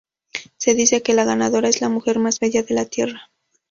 Se dice que la ganadora es la mujer más bella de la Tierra.